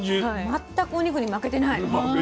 全くお肉に負けてない。